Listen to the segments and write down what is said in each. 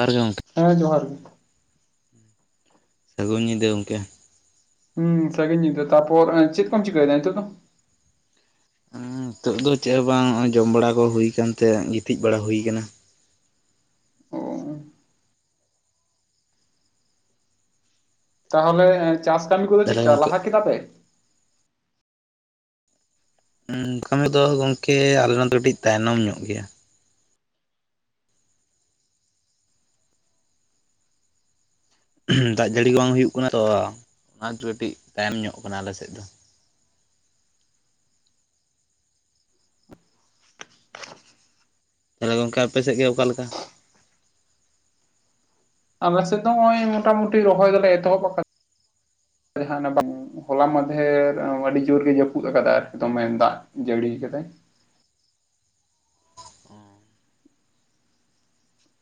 ᱟᱨ ᱜᱚᱝᱠᱮ ᱦᱮᱸ ᱡᱚᱦᱟᱨ ᱜᱮ ᱥᱟᱹᱜᱩᱱ ᱧᱤᱫᱟᱹ ᱜᱚᱝᱠᱮ ᱾ ᱦᱩᱸ ᱥᱟᱹᱜᱩᱱ ᱧᱤᱫᱟᱹ ᱛᱟᱨᱯᱚᱨ ᱮᱸ ᱪᱮᱜ ᱠᱚᱢ ᱪᱤᱠᱟᱹᱭᱫᱟ ᱱᱤᱛᱚᱜ ᱫᱚ? ᱦᱩᱸ ᱛᱚᱜ ᱫᱚ ᱪᱮᱜ ᱦᱚᱸ ᱵᱟᱝ ᱚᱭ ᱡᱚᱢ ᱵᱟᱲᱟ ᱠᱚ ᱦᱩᱭ ᱟᱠᱟᱱ ᱛᱮ ᱜᱤᱛᱤᱡ ᱵᱟᱲᱟ ᱦᱩᱭ ᱠᱟᱱᱟ ᱾ ᱚ ᱛᱟᱦᱚᱞᱮ ᱪᱟᱥ ᱠᱟᱹᱢᱤ ᱠᱚᱫᱚ ᱛᱟᱦᱚᱞᱮ ᱪᱮᱜᱠᱟ ᱜᱚᱢᱠᱮ ᱞᱟᱦᱟ ᱠᱮᱫᱟ ᱯᱮ? ᱠᱟᱹᱢᱤ ᱫᱚ ᱜᱚᱝᱠᱮ [unintelligible] ᱠᱟᱹᱴᱤᱡ ᱛᱟᱭᱱᱚᱢ ᱧᱚᱜ ᱜᱮᱭᱟ ᱾ [inaudible] ᱫᱟᱜ ᱡᱟᱹᱲᱤ ᱵᱟᱝ ᱦᱩᱭᱩ ᱠᱟᱱᱟ ᱛᱚ ᱚᱱᱟ ᱠᱟᱹᱴᱤᱡ ᱛᱟᱭᱚᱢ ᱧᱚᱜ ᱠᱟᱱᱟ ᱟᱞᱮᱥᱮᱫ ᱫᱚ ᱾ ᱛᱷᱟᱞᱮ ᱜᱚᱝᱠᱮ ᱟᱯᱮ ᱥᱮᱜ ᱜᱮ ᱚᱠᱟ ᱞᱮᱠᱟ ᱾ ᱟᱞᱮ ᱥᱮᱫ ᱫᱚ ᱚᱭ ᱢᱚᱴᱟᱢᱩᱴᱤ ᱨᱚᱦᱚᱭ ᱫᱚᱞᱮ ᱮᱛᱚᱦᱚᱵ [inaudible] ᱦᱚᱞᱟ ᱢᱟᱫᱷᱮᱨ ᱟᱹᱰᱤ ᱡᱳᱨ ᱜᱤ ᱡᱟᱹᱯᱩᱫ ᱟᱠᱟᱫᱟ ᱟᱨᱠᱤ ᱫᱚᱢᱮ ᱫᱟᱜ ᱡᱟᱹᱲᱤ ᱠᱟᱫᱟᱭ ᱾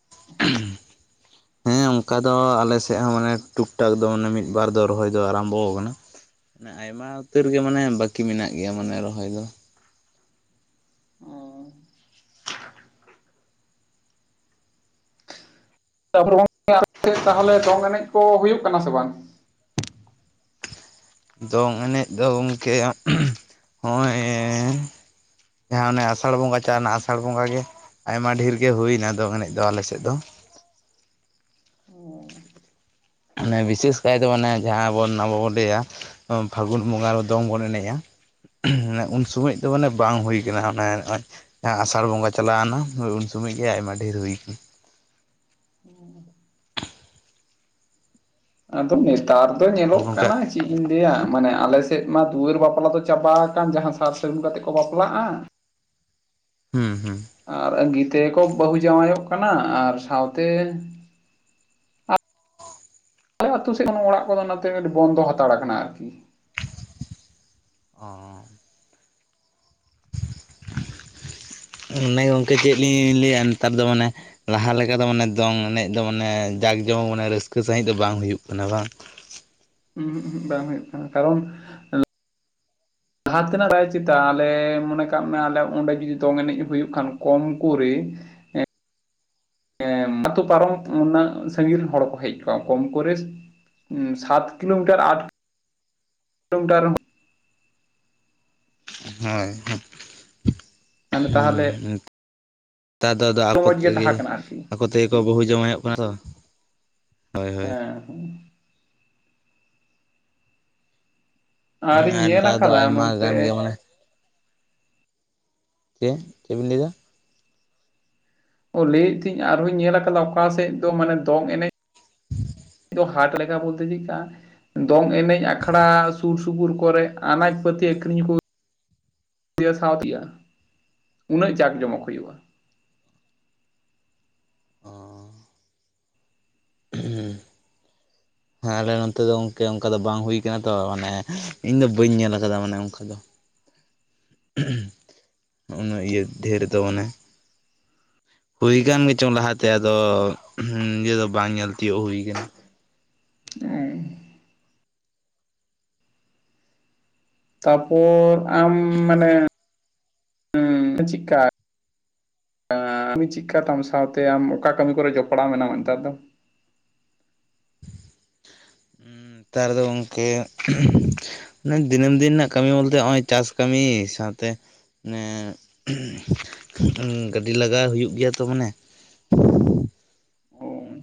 [inaudible] ᱦᱮᱸ ᱩᱱᱠᱟ ᱫᱚ ᱟᱞᱮ ᱥᱮ ᱢᱟᱱᱮ ᱴᱩᱠ ᱴᱟᱠ ᱫᱚ ᱚᱱᱮ ᱢᱤᱫ ᱵᱟᱨ ᱫᱚ ᱨᱚᱦᱚᱭ ᱫᱚ ᱟᱨᱟᱢᱵᱷᱚ ᱠᱟᱱᱟ ᱾ ᱱᱟ ᱟᱭᱢᱟ ᱩᱛᱟᱹᱨ ᱜᱮ ᱢᱟᱱᱮ ᱵᱟᱹᱠᱤ ᱢᱮᱱᱟᱜ ᱜᱮᱭᱟ ᱢᱟᱱᱮ ᱨᱚᱦᱚᱭ ᱫᱚ ᱾ ᱚᱸ [inaudible] [inaudible] ᱛᱟᱦᱮᱞᱮ ᱫᱚᱝ ᱮᱱᱮᱡ ᱠᱚ ᱦᱩᱭᱩᱜ ᱠᱟᱱᱟ ᱥᱮ ᱵᱟᱝ? ᱫᱚᱝ ᱮᱱᱮᱡ ᱫᱚ ᱜᱚᱢᱠᱮ [inaudible] ᱦᱚᱸᱜᱼᱚᱭᱮ ᱡᱟᱦᱟᱸ ᱚᱱᱮ ᱟᱥᱟᱲ ᱵᱚᱸᱜᱟ ᱪᱟ ᱱᱟ ᱟᱥᱟᱲ ᱵᱚᱸᱜᱟ ᱜᱮ ᱾ ᱟᱭᱢᱟ ᱰᱷᱤᱨ ᱜᱮ ᱦᱩᱭᱱᱟ ᱫᱚᱝ ᱮᱱᱮᱡ ᱫᱚ ᱟᱞᱮᱥᱮᱫ ᱫᱚ ᱾ ᱚ ᱟᱱᱮ ᱵᱤᱥᱮᱥ ᱠᱟᱭ ᱫᱚ ᱚᱱᱮ ᱡᱟᱦᱟᱸᱵᱚᱱ ᱟᱵᱚᱵᱚᱱ ᱞᱟᱹᱭᱟ [inaudible] ᱯᱷᱟᱹᱜᱩᱱ ᱵᱚᱸᱜᱟ ᱨᱮ ᱫᱚᱝ ᱵᱚᱱ ᱮᱱᱮᱡᱼᱟ ᱾ [inaudible] ᱩᱱ ᱥᱚᱢᱚᱭ ᱫᱚ ᱢᱟᱱᱮ ᱵᱟᱝ ᱦᱩᱭ ᱠᱟᱱᱟ [inaudible] ᱟᱸ ᱟᱥᱟᱲ ᱵᱚᱸᱜᱟ ᱪᱟᱞᱟᱣᱱᱟ ᱩᱱ ᱥᱚᱢᱚᱭ ᱜᱮ ᱟᱭᱢᱟ ᱰᱷᱮᱨ ᱦᱩᱭᱠᱟᱱ ᱾ [inaudible] ᱟᱫᱚ ᱱᱮᱛᱟᱨ ᱫᱚ ᱧᱮᱞᱚᱜ ᱜᱚᱝᱠᱮ ᱠᱟᱱᱟ ᱾ ᱪᱮᱜ ᱤᱧ ᱞᱟᱹᱭᱟ ᱢᱟᱱᱮ ᱟᱞᱮ ᱥᱮᱫ ᱢᱟ ᱫᱩᱣᱟᱹᱨ ᱵᱟᱯᱞᱟ ᱫᱚ ᱪᱟᱵᱟ ᱟᱠᱟᱱ ᱡᱟᱦᱟᱸ ᱥᱟᱨ ᱥᱟᱹᱜᱩᱱ ᱠᱟᱛᱮ ᱠᱚ ᱵᱟᱯᱞᱟᱜᱼᱟ᱾ ᱦᱩᱸ ᱦᱩᱸ ᱟᱨ ᱟᱺᱜᱤ ᱛᱮᱠᱚ ᱵᱟᱹᱦᱩ ᱡᱚᱶᱟᱭᱚᱜ ᱠᱟᱱᱟ ᱟᱨ ᱥᱟᱶᱛᱮ ᱟᱞᱮ ᱟᱛᱩ ᱥᱮᱫ ᱦᱚᱸ ᱱᱚ ᱚᱲᱟᱜ ᱠᱚᱫᱚ ᱱᱟᱛᱮ ᱵᱚᱱᱫᱚ ᱦᱟᱛᱟᱲ ᱟᱠᱟᱱᱟ ᱟᱨᱠᱤ᱾ ᱚᱸ ᱚᱱᱮ ᱜᱚᱝᱠᱮ ᱪᱮᱫ ᱞᱤᱧ ᱞᱟᱹᱭᱟ ᱱᱮᱛᱟᱨ ᱫᱚ ᱢᱟᱱᱮ ᱞᱟᱦᱟ ᱞᱮᱠᱟ ᱫᱚ ᱢᱟᱱᱮ ᱫᱚᱝ ᱮᱱᱮᱡ ᱫᱚ ᱢᱟᱱᱮ ᱡᱟᱠ ᱡᱚᱢᱚᱠ ᱢᱟᱱᱮ ᱨᱟᱹᱥᱠᱟᱹ ᱥᱟᱹᱦᱤᱡ ᱫᱚ ᱵᱟᱝ ᱦᱩᱭᱩᱜ ᱠᱟᱱᱟ ᱵᱟᱝ? ᱩᱦᱩᱸ ᱩᱦᱩᱸ ᱵᱟᱝ ᱦᱩᱭᱩᱜ ᱠᱟᱱᱟ ᱠᱟᱨᱚᱱ ᱞᱟᱦᱟ ᱛᱮᱱᱟᱜ ᱨᱟᱭ ᱪᱮᱛᱟᱱ ᱟᱞᱮ ᱢᱚᱱᱮ ᱠᱟᱜ ᱢᱮ ᱟᱞᱮ ᱚᱸᱰᱮ ᱡᱩᱫᱤ ᱫᱚᱝ ᱮᱱᱮᱡ ᱦᱩᱭᱩᱜ ᱠᱷᱟᱱ ᱠᱚᱢᱠᱚᱨᱮᱹ ᱮᱸ ᱱᱟᱹᱛᱩ ᱯᱟᱨᱚᱢ ᱩᱱᱟᱹᱜ ᱥᱟᱺᱜᱤᱱ ᱨᱮᱱ ᱦᱚᱲ ᱠᱚ ᱦᱮᱡ ᱠᱚᱜᱼᱟ ᱠᱚᱢ ᱠᱚᱨᱮᱹ ᱥᱟᱛ ᱠᱤᱞᱳᱢᱤᱴᱟᱨ ᱟᱴ ᱞᱳᱴᱟᱨ ᱦᱳᱭ ᱦᱩ ᱟᱱᱮ ᱛᱟᱦᱚᱞᱮ ᱛᱟᱨ ᱫᱚ ᱟᱫᱚ ᱟᱠᱚ ᱢᱚᱸᱡᱽ ᱜᱮ ᱛᱮᱜᱮ ᱛᱟᱦᱮᱸ ᱠᱟᱱᱟ ᱟᱨᱠᱤ ᱟᱠᱚ ᱛᱮᱜᱮ ᱠᱚ ᱵᱟᱹᱦᱩ ᱡᱟᱶᱟᱭᱚᱜ ᱠᱟᱱᱟ ᱛᱚ᱾ ᱦᱳᱭ ᱦᱳᱭ ᱦᱮᱸ ᱦᱩᱸ ᱟᱨ ᱨᱤᱧ ᱧᱮᱞ ᱱᱮᱛᱟᱨ ᱫᱚ ᱟᱠᱟᱫᱟ ᱟᱭᱢᱟ ᱱᱚᱛᱮ ᱜᱟᱱ ᱜᱮ ᱢᱟᱱᱮ ᱪᱮ ᱪᱮᱵᱤᱱ ᱞᱟᱹᱭᱫᱟ? ᱚ ᱞᱟᱹᱭᱮ ᱛᱷᱤᱧ ᱟᱨᱦᱚᱧ ᱧᱮᱞ ᱟᱠᱟᱫᱟ ᱚᱠᱟ ᱥᱮᱫ ᱫᱚ ᱢᱟᱱᱮ ᱫᱚᱝ ᱮᱱᱮᱡ [inaudible] [unintelligible] ᱦᱟᱨᱴ ᱞᱮᱠᱟ ᱵᱚᱞᱛᱮ ᱪᱮᱜᱠᱟ ᱫᱚᱝ ᱮᱱᱮᱡ ᱟᱠᱷᱲᱟ ᱥᱩᱨ ᱥᱩᱯᱩᱨ ᱠᱚᱨᱮ ᱟᱱᱟᱡᱽ ᱯᱟᱹᱛᱤ ᱟᱹᱠᱷᱨᱤᱧ ᱠᱩ [unintelligible] ᱥᱟᱶ ᱛᱤᱭᱟ ᱩᱱᱟᱹᱜ ᱡᱟᱠ ᱡᱚᱢᱚᱠ ᱦᱩᱭᱩᱜᱼᱟ᱾ [inaudible] ᱦᱩᱸ ᱦᱮᱸ ᱟᱞᱮ ᱱᱚᱱᱛᱮ ᱫᱚ ᱚᱝᱠᱮ ᱚᱱᱠᱟ ᱫᱚ ᱵᱟᱝ ᱦᱩᱭ ᱟᱠᱟᱱᱟ ᱛᱚ ᱢᱟᱱᱮ ᱤᱧᱫᱚ ᱵᱟᱹᱧ ᱧᱮᱞ ᱟᱠᱟᱫᱟ ᱢᱟᱱᱮ ᱚᱱᱠᱟ ᱫᱚ᱾ [unintelligible] ᱩᱱᱟᱹᱜ ᱤᱭᱟᱹ ᱰᱷᱮᱨ ᱫᱚ ᱢᱚᱱᱮ᱾ ᱦᱩᱭ ᱠᱟᱱ ᱜᱮᱪᱚᱝ ᱞᱟᱦᱟᱛᱮ ᱟᱫᱚ ᱱᱤᱡᱮᱹ ᱫᱚ ᱵᱟᱝ ᱧᱮᱞ ᱛᱤᱭᱳᱜ ᱦᱩᱭ ᱠᱟᱱᱟ᱾ ᱚᱸ ᱛᱟᱯᱚᱨ ᱟᱢ ᱢᱟᱱᱮ ᱩᱸ ᱪᱮᱜᱠᱟ? ᱟᱸ [unintelligible] ᱪᱤᱠᱟ ᱛᱟᱢ ᱥᱟᱶᱛᱮ ᱟᱢ ᱚᱠᱟ ᱠᱟᱹᱢᱤ ᱠᱚᱨᱮ ᱡᱚᱯᱲᱟᱣ ᱢᱮᱱᱟᱢᱟ ᱱᱮᱛᱟᱨ ᱫᱚ? ᱱᱮᱛᱟᱨ ᱫᱚ ᱜᱚᱝᱠᱮ ᱫᱤᱱᱟᱹᱢ ᱫᱤᱱ ᱱᱟᱜ ᱠᱟᱹᱢᱤ ᱵᱚᱞᱛᱮ ᱦᱚᱜᱼᱚᱭ ᱪᱟᱥ ᱠᱟᱹᱢᱤ ᱥᱟᱶᱛᱮ ᱮᱸᱜ ᱜᱟᱹᱰᱤ ᱞᱟᱜᱟ ᱦᱩᱭᱩᱜ ᱜᱮᱭᱟ ᱛᱚ ᱢᱟᱱᱮ᱾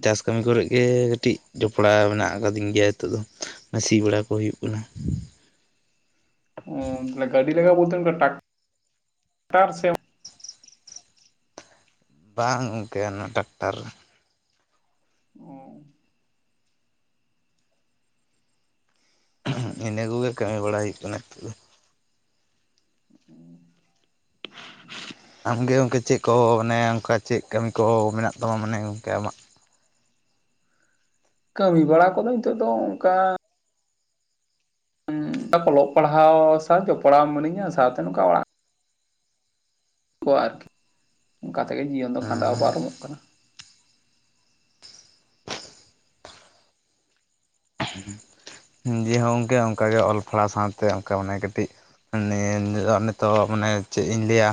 ᱪᱟᱥ ᱠᱟᱹᱢᱤ ᱠᱚᱨᱮᱜ ᱜᱮ ᱠᱟᱹᱴᱤᱡ ᱡᱚᱯᱲᱟᱣ ᱢᱮᱱᱟᱜ ᱟᱠᱟᱫᱤᱧ ᱜᱮᱭᱟ ᱦᱤᱛᱚᱜ ᱫᱚ᱾ ᱱᱟ ᱥᱤ ᱵᱟᱲᱟ ᱠᱚ ᱦᱩᱭᱩᱜ ᱠᱟᱱᱟ᱾ ᱜᱟᱹᱰᱤ ᱞᱟᱜᱟ ᱵᱚᱞᱛᱨ ᱴᱟᱠ ᱴᱟᱨ ᱥᱮ ᱵᱟᱝ ᱜᱚᱝᱠᱮ ᱚᱱᱟ ᱴᱟᱠᱴᱟᱨ ᱚᱸ ᱤᱱᱟᱹ ᱠᱚᱜᱮ ᱠᱟᱹᱢᱤ ᱵᱟᱲᱟᱭ ᱦᱩᱭᱩᱜ ᱠᱟᱱᱟ ᱦᱤᱛᱳᱜ ᱫᱚ ᱾ ᱩ [inaudible] ᱟᱢ ᱜᱮ ᱜᱚᱝᱠᱮ ᱪᱮᱫ ᱠᱚ ᱢᱟᱱᱮ ᱚᱱᱠᱟ ᱪᱮᱫ ᱠᱟᱹᱢᱤ ᱠᱚ ᱢᱮᱱᱟᱜ ᱛᱟᱢᱟ ᱢᱟᱱᱮ ᱜᱚᱝᱠᱮ ᱟᱢᱟᱜ? ᱠᱟᱹᱢᱤ ᱵᱟᱲᱟ ᱠᱚᱫᱚ ᱱᱤᱛᱚᱜ ᱫᱚ ᱚᱱᱠᱟ ᱚᱞᱚᱜ ᱯᱟᱲᱦᱟᱣ ᱥᱟᱶ ᱡᱚᱯᱲᱟᱣ ᱢᱤᱱᱟᱹᱧᱟ ᱥᱟᱶᱛᱮ ᱱᱚᱝᱠᱟ ᱚᱲᱟᱜ ᱠᱚ ᱟᱨᱠᱤ ᱚᱱᱠᱟ ᱛᱮᱜᱮ ᱡᱤᱭᱚᱱ ᱫᱚ ᱠᱷᱟᱸᱰᱟᱣ ᱯᱟᱨᱚᱢᱚᱜ ᱠᱟᱱᱟ᱾ ᱡᱮ ᱦᱚᱸᱚᱝᱠᱮ ᱚᱱᱠᱟᱜᱮ ᱚᱞ ᱯᱟᱲᱦᱟᱣ ᱥᱟᱶᱛᱮ ᱚᱱᱠᱟ ᱢᱟᱱᱮ ᱠᱟᱹᱴᱤᱡ ᱱᱤᱛᱚᱜ ᱢᱟᱱᱮ ᱪᱮᱫ ᱤᱧ ᱞᱟᱹᱭᱟ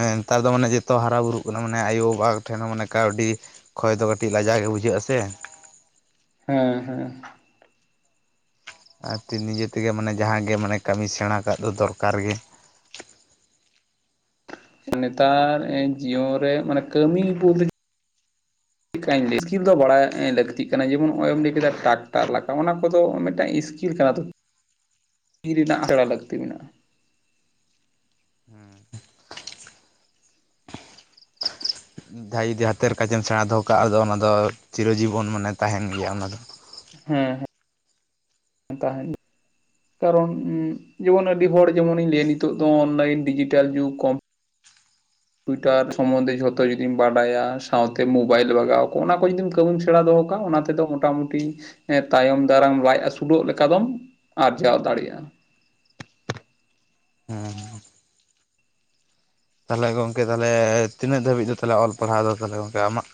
ᱦᱮᱸ ᱱᱮᱛᱟᱨ ᱫᱚ ᱢᱟᱱᱮ ᱡᱚᱛᱚ ᱦᱟᱨᱟ ᱵᱩᱨᱩᱜ ᱠᱟᱱᱟ, ᱢᱟᱱᱮ ᱟᱭᱳ-ᱵᱟᱵᱟ ᱴᱷᱮᱱ ᱦᱚᱸ ᱢᱟᱱᱮ ᱠᱟᱹᱣᱰᱤ ᱠᱷᱚᱭ ᱫᱚ ᱠᱟᱹᱴᱤᱡ ᱞᱟᱡᱟᱣ ᱜᱮ ᱵᱩᱡᱷᱟᱹᱜ ᱟᱥᱮ ᱦᱮᱸ, ᱦᱮᱸ᱾ ᱟᱨ ᱱᱤᱡᱮ ᱛᱮᱜᱮ ᱢᱟᱱᱮ ᱡᱟᱦᱟᱸ ᱜᱮ ᱢᱟᱱᱮ ᱠᱟᱹᱢᱤ ᱥᱮᱬᱟ ᱠᱟᱜ ᱫᱚ ᱫᱚᱨᱠᱟᱨ ᱜᱮ᱾ ᱱᱮᱛᱟᱨ ᱡᱤᱭᱚᱱ ᱨᱮ ᱢᱟᱱᱮ ᱠᱟᱹᱢᱤ ᱵᱚᱞᱛᱮ ᱪᱮᱫ ᱞᱮᱠᱟᱭ ᱞᱟᱹᱭ ᱤᱥᱠᱤᱞ ᱫᱚ ᱵᱟᱲᱟᱭ ᱞᱟᱹᱠᱛᱤᱜ ᱠᱟᱱᱟ ᱡᱮᱢᱚᱱ ᱱᱚᱜ ᱚᱭ ᱮᱢ ᱞᱟᱹᱭ ᱠᱮᱫᱟ ᱴᱟᱠᱴᱟᱨ ᱞᱟᱜᱟᱣ ᱚᱱᱟ ᱠᱚᱫᱚ ᱢᱤᱫᱴᱟᱝ ᱤᱥᱠᱤᱞ ᱠᱟᱱᱟ᱾ ᱛᱤ ᱨᱮᱱᱟᱜ ᱛᱚᱷᱲᱟ ᱞᱟᱹᱠᱛᱤ ᱢᱮᱱᱟᱜᱼᱟ᱾ ᱦᱮᱸ᱾ ᱡᱟᱦᱟᱸᱭ ᱡᱩᱫᱤ ᱦᱟᱛᱮᱨ ᱠᱟᱡ ᱥᱮᱬᱟ ᱫᱚᱦᱚ ᱠᱟᱜᱼᱟ, ᱟᱫᱚ ᱚᱱᱟ ᱫᱚ ᱪᱤᱨᱚᱡᱤᱵᱚᱱ ᱢᱟᱱᱮ ᱛᱟᱦᱮᱱ ᱜᱮᱭᱟ ᱚᱱᱟ ᱫᱚ᱾ ᱦᱮᱸ ᱦᱮᱸ᱾ ᱛᱟᱦᱮᱱᱟ᱾ ᱠᱟᱨᱚᱱ ᱡᱮᱢᱚᱱ ᱟᱹᱰᱤ ᱦᱚᱲ ᱡᱮᱢᱚᱱᱤᱧ ᱞᱟᱹᱭᱟ ᱱᱤᱛᱚᱜ ᱫᱚ ᱚᱱᱞᱟᱭᱤᱱ ᱰᱤᱡᱤᱴᱮᱞ ᱡᱩᱜ ᱠᱚ ᱴᱩᱭᱴᱟᱨ ᱥᱚᱢᱚᱱᱫᱷᱮ ᱡᱷᱚᱛᱚ ᱡᱩᱫᱤᱢ ᱵᱟᱰᱟᱭᱟ ᱥᱟᱶᱛᱮ ᱢᱳᱵᱟᱭᱤᱞ ᱵᱟᱜᱟᱣ ᱠᱚᱼᱟ, ᱚᱱᱟ ᱠᱚ ᱡᱩᱫᱤᱢ ᱠᱟᱹᱢᱤᱢ ᱥᱮᱲᱟᱟ ᱫᱚᱦᱚ ᱠᱟᱜ ᱚᱱᱟ ᱛᱮᱫᱚ ᱢᱚᱴᱟᱢᱩᱴᱤ ᱛᱟᱭᱚᱢ ᱫᱟᱨᱟᱢ ᱞᱟᱡ ᱟᱥᱩᱞᱚᱜ ᱞᱮᱠᱟ ᱫᱚᱢ ᱟᱨᱡᱟᱣ ᱫᱟᱲᱮᱭᱟᱜᱼᱟ᱾ ᱦᱮᱸ᱾ ᱛᱟᱦᱚᱞᱮ ᱜᱚᱢᱠᱮ ᱛᱟᱦᱞᱮ ᱛᱤᱱᱟᱹᱜ ᱫᱷᱟᱹᱵᱤᱡ ᱫᱚ ᱛᱟᱦᱚᱞᱮ ᱚᱞ ᱯᱟᱲᱦᱟᱣᱫᱚ ᱛᱟᱦᱚᱞᱮ ᱜᱚᱢᱠᱮ ᱟᱢᱟᱜ?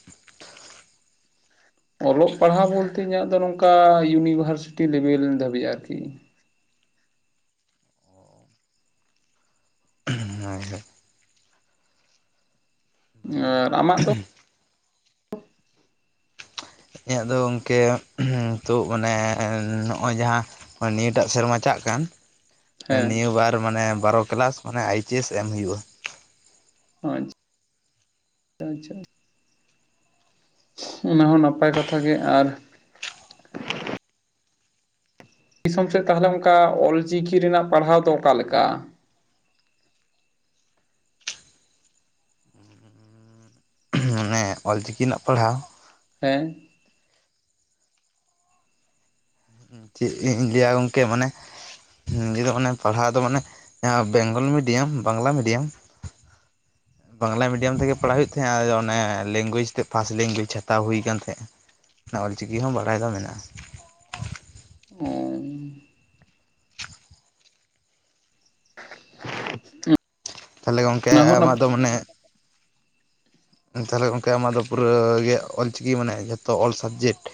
ᱚᱞᱚᱜ ᱯᱟᱲᱦᱟᱣ ᱵᱚᱞᱛᱮ ᱤᱧᱟᱹᱜ ᱫᱚ ᱱᱚᱝᱠᱟ ᱤᱭᱩᱱᱤᱵᱷᱟᱨᱥᱤᱴᱤ ᱞᱮᱵᱮᱞ ᱫᱷᱟᱹᱵᱤᱡ ᱟᱨᱠᱤ᱾ ᱦᱮ ᱸ ᱦᱮᱸ᱾ ᱵᱷᱟᱹᱞᱤ ᱜᱮ ᱟᱨ ᱟᱢᱟᱜ ᱫᱚ? [inaudible] ᱤᱧᱟᱹᱜ ᱫᱚ ᱜᱚᱢᱠᱮ ᱛᱚ ᱢᱟᱱᱮ ᱱᱚᱜᱼᱚᱭ ᱡᱟᱦᱟᱸ ᱱᱤᱭᱟᱹᱴᱟᱜ ᱥᱮᱨᱢᱟ ᱪᱟᱜ ᱠᱟᱱ ᱦᱮᱸ ᱱᱤᱭ ᱵᱟᱨ ᱢᱟᱱᱮ ᱵᱟᱨᱚ ᱠᱮᱞᱟᱥ ᱢᱟᱱᱮ ᱟᱭᱤᱪ ᱮᱥ ᱮᱢ ᱦᱩᱭᱩᱜᱼᱟ᱾ ᱟᱪᱪᱷᱟ ᱟᱪᱪᱷᱟ ᱟᱪᱪᱷᱟ, ᱚᱱᱟ ᱦᱚᱸ ᱱᱟᱯᱟᱭ ᱠᱟᱛᱷᱟ ᱜᱮ ᱟᱨ ᱫᱤᱥᱚᱢ ᱥᱮᱫ ᱛᱟᱦᱚᱞᱮ ᱚᱱᱠᱟ ᱚᱞ ᱪᱤᱠᱤ ᱨᱮᱱᱟᱜ ᱯᱟᱲᱦᱟᱣ ᱫᱚ ᱚᱠᱟ ᱞᱮᱠᱟ? ᱦᱮᱸ ᱚᱞᱪᱤᱠᱤ ᱨᱮᱱᱟᱜ ᱯᱟᱲᱦᱟᱣ ᱦᱮᱸ? ᱪᱮᱫ ᱤᱧ ᱞᱟᱹᱭᱟ ᱜᱚᱝᱠᱮ ᱢᱟᱱᱮ ᱱᱤᱭᱟ ᱫᱚ ᱢᱟᱱᱮ ᱮ ᱯᱟᱲᱦᱟᱣ ᱫᱚ ᱢᱟᱱᱮ Bengal medium Bangla medium Bangla medium ᱛᱮᱜᱮ ᱯᱟᱲᱦᱟᱜ ᱦᱩᱭᱩᱜ ᱛᱟᱦᱮᱸᱜ, ᱟᱫᱚ ᱚᱱᱟ ᱞᱮᱝᱜᱩᱭᱮᱡᱽ ᱛᱮ ᱯᱷᱟᱥᱴ ᱞᱮᱝᱜᱩᱭᱮᱡᱽ ᱦᱟᱛᱟᱣ ᱦᱩᱭ ᱠᱟᱱ ᱛᱟᱦᱮᱸᱜ᱾ ᱚᱞ ᱪᱤᱠᱤ ᱦᱚᱸ ᱵᱟᱲᱟᱭ ᱫᱚ ᱢᱮᱱᱟᱜᱼᱟ᱾ ᱦᱩᱸᱻ᱾ [inaudible] ᱛᱟᱦᱚᱞᱮ ᱜᱚᱢᱠᱮ ᱚᱱᱟ ᱦᱚᱸ ᱱᱟᱯ ᱟᱢᱟᱜ ᱫᱚ ᱢᱟᱱᱮ ᱛᱟᱦᱟᱞᱮ ᱜᱚᱝᱠᱮ ᱟᱢᱟᱜ ᱫᱚ ᱯᱩᱨᱟᱹ ᱜᱮ ᱚᱞ ᱪᱤᱠᱤ ᱢᱟᱱᱮ ᱡᱷᱚᱛᱚ ᱚᱞ ᱥᱟᱵᱽᱡᱮᱠᱴ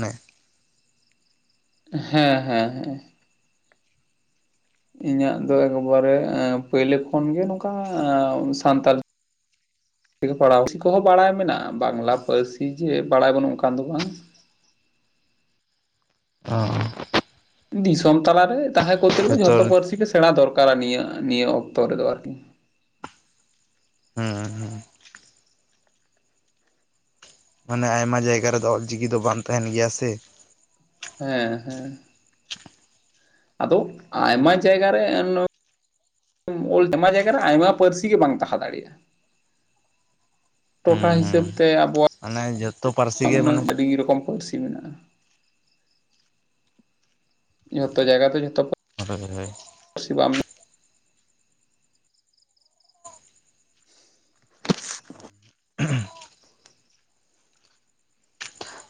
ᱱᱮ ᱦᱮᱸ ᱦᱮᱸ, ᱦᱮᱸ᱾ ᱤᱧᱟᱹᱜ ᱫᱚ ᱮᱠᱵᱟᱨᱮ ᱯᱟᱹᱭᱞᱟᱹ ᱠᱷᱚᱱ ᱜᱮ ᱱᱚᱝᱠᱟ ᱥᱟᱱᱛᱟᱞ [unintelligible] ᱯᱟᱲᱟᱣ ᱠᱚᱦᱚᱸ ᱵᱟᱲᱟᱭ ᱢᱮᱱᱟᱜᱼᱟ, ᱵᱟᱝᱞᱟ ᱯᱟᱹᱨᱥᱤ ᱡᱮ ᱵᱟᱲᱟᱭ ᱵᱟᱹᱱᱩᱜᱼᱟ, ᱚᱱᱠᱟᱱ ᱫᱚ ᱵᱟᱝ᱾ ᱚᱸ᱾ ᱫᱤᱥᱚᱢ ᱛᱟᱞᱟᱨᱮ ᱛᱟᱦᱮᱸ ᱠᱚᱨᱛᱮ ᱜᱮᱞᱮ ᱡᱷᱚᱛᱚ ᱡᱚᱛᱚ ᱦᱩᱸ ᱯᱟᱹᱨᱥᱤ ᱜᱮ ᱥᱮᱬᱟ ᱫᱚᱨᱠᱟᱨᱟ ᱱᱤᱭᱟᱹ ᱱᱤᱭᱟᱹ ᱚᱠᱛᱚ ᱨᱮᱫᱚ ᱟᱨᱠᱤ ᱾ ᱦᱢ ᱦᱢ ᱾ ᱢᱟᱱᱮ ᱟᱭᱢᱟ ᱡᱟᱭᱜᱟ ᱨᱮᱫᱚ ᱚᱞ ᱪᱤᱠᱤ ᱫᱚ ᱵᱟᱝ ᱛᱟᱦᱮᱱ ᱜᱮᱭᱟ ᱥᱮ ᱾ ᱦᱮᱸ ᱦᱮᱸ ᱟᱫᱚ ᱟᱭᱢᱟ ᱡᱟᱭᱜᱟ ᱨᱮ ᱱᱚ [unintelligible] ᱟᱭᱢᱟ ᱡᱟᱭᱜᱟᱨᱮ ᱟᱭᱢᱟ ᱯᱟᱹᱨᱥᱤ ᱜᱮ ᱵᱟᱝ ᱛᱟᱸᱦᱟ ᱫᱟᱲᱮᱭᱟᱜᱼᱟ ᱾ ᱦᱩᱸ ᱴᱚᱴᱷᱟ ᱦᱤᱥᱟᱹᱵ ᱛᱮ ᱟᱵᱚᱣᱟᱜ ᱢᱟᱱᱮ ᱡᱚ ᱩᱱᱟᱹᱜ ᱟᱹᱰᱤ ᱨᱚᱠᱚᱢ ᱯᱟᱹᱨᱥᱤ ᱢᱮᱱᱟᱜᱼᱟ, ᱡᱚᱛᱚ ᱡᱟᱭᱜᱟ ᱫᱚ ᱡᱚᱛᱚ ᱠᱚᱨᱮ ᱠᱤᱱ ᱞᱟᱹᱭ ᱯᱟᱹᱨᱥᱤ ᱵᱟᱢ [unintelligible]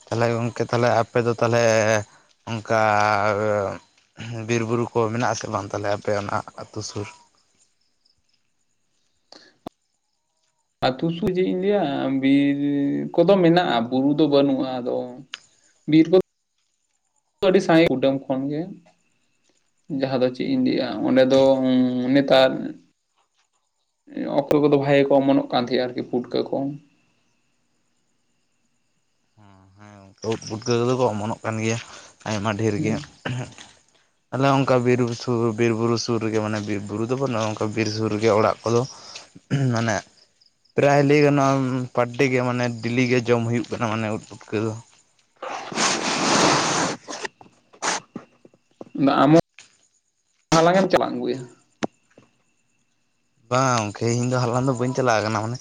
ᱛᱟᱦᱚᱞᱮ ᱜᱚᱝᱠᱮ ᱛᱟᱦᱚᱞᱮ ᱟᱯᱮ ᱫᱚ ᱛᱟᱦᱚᱞᱮ ᱚᱱᱠᱟ ᱵᱤᱨ ᱵᱩᱨᱩ ᱠᱚ ᱢᱮᱱᱟᱜᱼᱟ ᱥᱮ ᱵᱟᱝ ᱛᱟᱦᱚᱞᱮ ᱟᱯᱮ ᱚᱱᱟ ᱟᱹᱛᱩ ᱥᱩᱨ? ᱟᱹᱛᱩ [unintelligible] ᱤᱧ ᱞᱟᱹᱭᱟ ᱵᱤᱨ ᱠᱚᱫᱚ ᱢᱮᱱᱟᱜᱼᱟ ᱵᱩᱨᱩ ᱫᱚ ᱵᱟᱹᱱᱩᱜᱼᱟ ᱟᱫᱚ ᱵᱤᱨ ᱠᱚ ᱟᱹᱰᱤ ᱥᱟᱸᱜᱮ ᱠᱩᱰᱟᱹᱢ ᱠᱷᱚᱱ ᱜᱮ, ᱡᱟᱦᱟᱸ ᱫᱚ ᱪᱮᱫ ᱤᱧ ᱞᱟᱹᱭᱟ ᱚᱸᱰᱮ ᱫᱚ ᱚᱸ ᱱᱮᱛᱟᱨ [unintelligible] ᱠᱚᱫᱚ ᱵᱷᱟᱜᱮ ᱠᱚ ᱚᱢᱚᱱᱚᱜ ᱠᱟᱱ ᱛᱟᱦᱮᱸᱜᱼᱟ ᱟᱨᱠᱤ ᱯᱩᱴᱠᱟᱹ ᱠᱚ ᱾ ᱦᱮᱸ ᱩᱫ ᱯᱩᱴᱠᱟᱹ ᱫᱚᱠᱚ ᱚᱢᱚᱱᱚᱜ ᱠᱟᱱ ᱜᱮᱭᱟ ᱟᱭᱢᱟ ᱰᱷᱮᱨ ᱜᱮ ᱦᱮᱸ ᱦᱟᱸᱜ ᱾ ᱟᱞᱮ ᱚᱱᱠᱟ ᱵᱤᱨ ᱥᱩᱨ ᱵᱤᱨ ᱵᱩᱨᱩ ᱥᱩᱨ ᱨᱮᱜᱮ ᱢᱟᱱᱮ ᱵᱤᱨ ᱵᱩᱨᱩ ᱫᱚ ᱵᱟᱹᱱᱩᱜᱼᱟ ᱚᱱᱠᱟ ᱵᱤᱨ ᱥᱩᱨ ᱨᱮᱜᱮ ᱚᱲᱟᱜ ᱠᱚᱫᱚ ᱢᱟᱱᱮ ᱯᱨᱟᱭ ᱞᱟᱹᱭ ᱜᱟᱱᱚᱜᱼᱟ ᱯᱟᱨᱴᱤ ᱜᱮ ᱢᱟᱱᱮ ᱰᱮᱞᱤ ᱜᱮ ᱡᱚᱢ ᱦᱩᱭᱩᱜ ᱠᱟᱱᱟ ᱢᱟᱱᱮ ᱩᱫ ᱯᱩᱴᱠᱟᱹ ᱫᱚ ᱾ ᱟᱫᱚ ᱟᱢ ᱦᱚᱸ ᱦᱟᱞᱟᱸᱜ ᱮᱢ ᱪᱟᱜᱞᱟᱜ ᱟᱹᱜᱩ ᱜᱮᱭᱟ? ᱵᱟᱝ ᱜᱚᱢᱠᱮ ᱤᱧ ᱫᱚ ᱦᱟᱞᱟᱝ ᱫᱚ ᱵᱟᱹᱧ ᱪᱟᱞᱟ ᱟᱠᱟᱱᱟ ᱢᱟᱱᱮ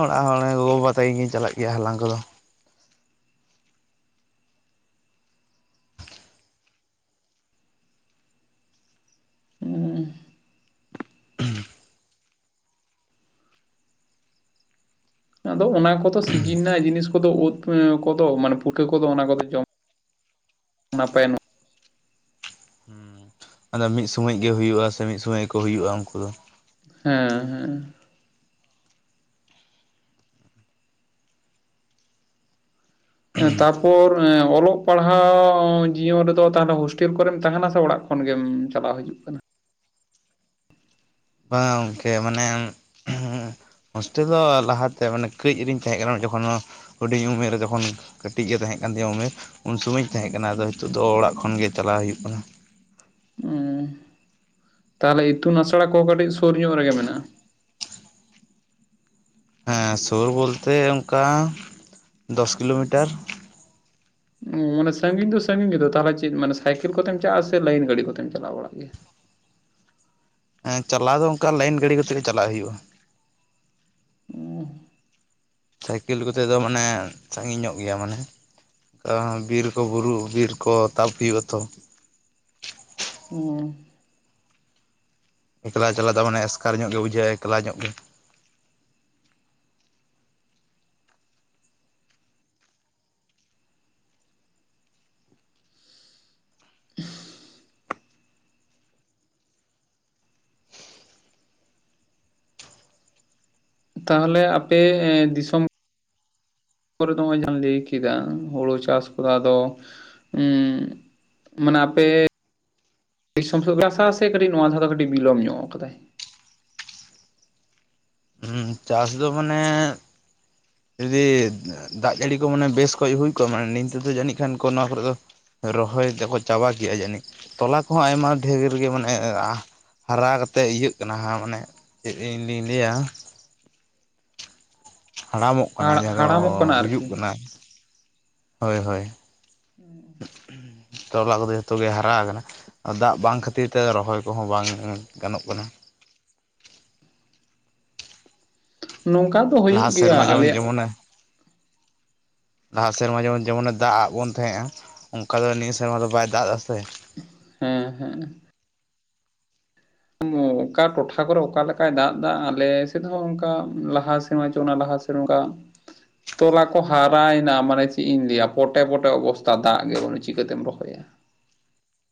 ᱚᱲᱟᱜ ᱦᱚᱲ ᱜᱮ ᱜᱚᱜᱚ ᱵᱟᱵᱟ ᱛᱟᱹᱠᱤᱱ ᱠᱤᱱ ᱪᱟᱞᱟᱜ ᱜᱮᱭᱟ ᱦᱟᱞᱟᱝ ᱠᱚᱫᱚ ᱾ ᱦᱮᱸ ᱟᱫᱚ ᱚᱱᱟ ᱠᱚᱫᱚ ᱥᱤᱡᱤᱱ ᱨᱮᱱᱟᱜ ᱡᱤᱱᱤᱥ ᱠᱚᱫᱚ ᱩᱫ ᱠᱚᱫᱚ ᱢᱟᱱᱮ ᱯᱷᱩᱴᱠᱟᱹ ᱠᱚᱫᱚ ᱚᱱᱟ ᱠᱚᱫᱚ ᱡᱚᱢ ᱱᱟᱯᱟᱭ ᱱᱚᱜ ᱦᱩᱸ ᱾ ᱟᱫᱚ ᱢᱤᱫ ᱥᱳᱢᱚᱭ ᱜᱮ ᱦᱩᱭᱩᱜᱼᱟ ᱥᱮ ᱢᱤᱫ ᱥᱳᱢᱚᱭ ᱜᱮ ᱠᱚ ᱦᱩᱭᱩᱜᱼᱟ ᱩᱱᱠᱩ ᱫᱚ ᱾ ᱦᱮᱸ ᱦᱮᱸ ᱾ ᱛᱟᱨᱯᱚᱨ ᱚᱞᱚᱜ ᱯᱟᱲᱦᱟᱣ ᱡᱤᱭᱚᱱ ᱨᱮᱫᱚ ᱛᱟᱦᱚᱞᱮ ᱦᱳᱥᱴᱮᱞ ᱠᱚᱨᱮᱢ ᱛᱟᱦᱮᱱᱟ ᱥᱮ ᱚᱲᱟᱜ ᱠᱷᱚᱱ ᱜᱮᱢ ᱪᱟᱞᱟᱣ ᱦᱤᱡᱩᱜ ᱠᱟᱱᱟ? ᱵᱟᱝ ᱜᱚᱝᱠᱮ ᱢᱟᱱᱮ ᱦᱳᱥᱴᱮᱞ ᱫᱚ ᱞᱟᱦᱟᱛᱮ ᱢᱟᱱᱮ ᱠᱟᱹᱡ ᱨᱤᱧ ᱛᱟᱦᱮᱸ ᱠᱟᱱᱟ ᱡᱚᱠᱷᱚᱱᱳ ᱦᱩᱰᱤᱧ ᱩᱢᱮᱨ ᱨᱮ ᱡᱚᱠᱷᱚᱱ ᱠᱟᱹᱴᱤᱡ ᱜᱮ ᱛᱟᱦᱮᱸ ᱠᱟᱱ ᱛᱤᱧᱟᱹ ᱩᱢᱮᱨ ᱩᱱ ᱥᱳᱢᱚᱭ ᱤᱧ ᱛᱟᱦᱮᱸ ᱠᱟᱱᱟ ᱟᱫᱚ ᱦᱤᱛᱚᱜ ᱫᱚ ᱚᱲᱟᱜ ᱠᱷᱚᱱ ᱜᱮ ᱪᱟᱞᱟᱣ ᱦᱩᱭᱩᱜ ᱠᱟᱱᱟ ᱾ ᱛᱟᱦᱟᱞᱮ ᱤᱛᱩᱱ ᱟᱥᱲᱟ ᱠᱚ ᱠᱟᱹᱴᱤᱡ ᱥᱩᱨ ᱧᱚᱜ ᱨᱮᱜᱮ ᱢᱮᱱᱟᱜᱼᱟ ᱾ ᱦᱮᱸ ᱥᱩᱨ ᱵᱚᱞᱛᱮ ᱚᱱᱠᱟ ᱫᱚᱥ ᱠᱤᱞᱳᱢᱤᱴᱟᱨ ᱾ ᱢᱢ ᱢᱟᱱᱮ ᱥᱟᱺᱜᱤᱧ ᱫᱚ ᱥᱟᱺᱜᱤᱧ ᱜᱮᱫᱚ ᱛᱟᱦᱟᱞᱮ ᱪᱮᱫ ᱢᱟᱱᱮ ᱥᱟᱭᱠᱮᱞ ᱠᱚᱛᱮᱢ ᱪᱟᱜᱼᱟ ᱥᱮ ᱞᱟᱭᱤᱱ ᱜᱟᱹᱰᱤ ᱠᱚᱛᱮᱢ ᱪᱟᱞᱟᱣ ᱵᱟᱲᱟᱜ ᱜᱮᱭᱟ? ᱮᱸ ᱪᱟᱞᱟᱣ ᱫᱚ ᱚᱱᱠᱟ ᱞᱟᱭᱤᱱ ᱜᱟᱹᱰᱤ ᱠᱟᱛᱮ ᱜᱮ ᱪᱟᱞᱟᱜ ᱦᱩᱭᱩᱜᱼᱟ ᱾ ᱚᱦ ᱥᱟᱭᱠᱮᱞ ᱠᱚᱛᱮ ᱫᱚ ᱢᱟᱱᱮ ᱥᱟᱺᱜᱤᱧ ᱧᱚᱜ ᱜᱮᱭᱟ ᱢᱟᱱᱮ ᱾ ᱛᱚ ᱵᱤᱨ ᱠᱚ ᱵᱩᱨᱩ ᱵᱤᱨ ᱠᱚ ᱛᱟᱵ ᱦᱩᱭᱩᱜᱼᱟ ᱛᱚ ᱾ ᱦᱢ ᱾ ᱮᱠᱞᱟ ᱪᱟᱞᱟᱜ ᱫᱚ ᱢᱟᱱᱮ ᱮᱥᱠᱟᱨ ᱧᱚᱜ ᱜᱮ ᱵᱩᱡᱷᱟᱹᱜᱼᱟ ᱮᱠᱞᱟ ᱧᱚᱜ ᱜᱮ᱾ ᱛᱟᱦᱚᱞᱮ ᱟᱯᱮ ᱫᱤᱥᱚᱢ। ᱛᱚᱨ ᱱᱚᱭ ᱡᱮ ᱞᱟᱹᱭ ᱠᱮᱫᱟ ᱦᱩᱲᱩ ᱪᱟᱥ ᱠᱚᱫᱚ ᱟᱫᱚ। ᱢᱟᱱᱮ ᱟᱯᱮ ᱫᱤᱥᱚᱢ ᱵᱷᱟᱥᱟ ᱥᱮ ᱠᱟᱹᱴᱤᱡ ᱱᱚᱶᱟ ᱫᱷᱟᱣ ᱫᱚ ᱠᱟᱹᱴᱤᱡ ᱵᱤᱞᱚᱢ ᱧᱚᱜ ᱠᱟᱫᱟᱭ। ᱪᱟᱥ ᱫᱚ ᱢᱟᱱᱮ ᱡᱩᱫᱤ ᱫᱟᱜ ᱡᱟᱹᱲᱤ ᱠᱚ ᱢᱟᱱᱮ ᱵᱮᱥ ᱠᱷᱚᱡ ᱦᱩᱭ ᱠᱚᱜᱼᱟ ᱢᱟᱱᱮ ᱱᱤᱛ ᱛᱮᱫᱚ ᱡᱟᱹᱱᱤᱡ ᱠᱷᱟᱱ ᱠᱚ ᱱᱚᱶᱟ ᱠᱚᱨᱮ ᱫᱚ। ᱨᱚᱦᱚᱭ ᱛᱚᱠᱚ ᱪᱟᱵᱟ ᱠᱮᱜᱼᱟ ᱡᱟᱹᱱᱤᱡ ᱴᱚᱞᱟ ᱠᱚᱦᱚᱸ ᱟᱭᱢᱟ ᱰᱷᱮᱨ ᱜᱮ ᱢᱟᱱᱮ ᱦᱟᱨᱟ ᱠᱟᱛᱮᱫ ᱤᱭᱟᱹᱜ ᱠᱟᱱᱟ ᱦᱟᱸ ᱢᱟᱱᱮ ᱪᱮᱫ ᱤᱧᱫᱤᱧ ᱞᱟᱹᱭᱟ। ᱦᱟᱲᱟᱢᱚᱜ ᱠᱟᱱᱟ, ᱡᱟᱦᱟᱸᱭ ᱫᱚ ᱦᱟᱲᱟᱢᱚᱜ ᱠᱟᱱᱟ ᱜᱩᱡᱩᱜ ᱟᱨᱠᱤ ᱠᱟᱱᱟ ᱦᱳᱭ ᱦᱳᱭ। [inaudible] ᱛᱚᱵᱮ ᱟᱵᱚ ᱠᱚᱫᱚ ᱡᱚᱛᱚ ᱜᱮ ᱦᱟᱨᱟ ᱟᱠᱟᱱᱟ। ᱫᱟᱜ ᱵᱟᱝ ᱠᱷᱟᱹᱛᱤᱨ ᱛᱮ ᱨᱚᱦᱚᱭ ᱠᱚᱦᱚᱸ ᱵᱟᱝ ᱜᱟᱱᱚᱜ ᱠᱟᱱᱟ। ᱱᱚᱝᱠᱟ ᱫᱚ ᱦᱩᱭᱩᱜ ᱞᱟᱦᱟ ᱜᱮᱭᱟ ᱥᱮᱨᱢᱟ ᱡᱮᱢᱚᱱ ᱟᱞᱮᱭᱟᱜ ᱡᱮᱢᱚᱱᱮ ᱞᱟᱦᱟ ᱥᱮᱨᱢᱟ ᱡᱮᱢᱚᱱ ᱡᱮᱢᱚᱱᱮ ᱫᱟᱜ ᱟᱫ ᱵᱚᱱ ᱛᱟᱦᱮᱸᱜᱼᱟ ᱚᱱᱠᱟ ᱫᱚ ᱱᱤᱭᱟᱹ ᱥᱮᱨᱢᱟ ᱫᱚ ᱵᱟᱭ ᱫᱟᱜᱼᱟ ᱥᱮ। ᱦᱮᱸ ᱦᱮᱸ। ᱚᱠᱟ ᱴᱚᱴᱷᱟ ᱠᱚᱨᱮ ᱚᱠᱟ ᱞᱮᱠᱟᱭ ᱫᱟᱜ ᱮᱫᱟ ᱟᱞᱮ ᱥᱮᱫ ᱦᱚᱸ ᱚᱱᱠᱟ ᱞᱟᱦᱟ ᱥᱮᱢᱟ ᱪᱚ ᱚᱱᱟ ᱞᱟᱦᱟ ᱥᱮ ᱱᱚᱝᱠᱟ ᱛᱚᱞᱟ ᱠᱚ ᱦᱟᱨᱟᱭᱮᱱᱟ ᱢᱟᱱᱮ ᱪᱮᱫ ᱤᱧ ᱞᱟᱹᱭᱟ ᱯᱚᱴᱮ ᱯᱚᱴᱮ ᱚᱵᱚᱥᱛᱛᱟ ᱫᱟᱜ ᱜᱮ ᱵᱟᱱᱩᱜ-ᱟ ᱪᱤᱠᱟᱹᱛᱮᱢ ᱨᱚᱦᱚᱭᱟ ᱾